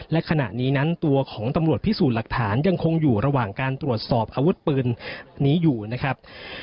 และขณะนี้นั้นตัวของตำรวจพิสูจน์หลักฐานยังคงอยู่ระหว่างการตรวจสอบอาวุธปืนนี้อยู่นะครับ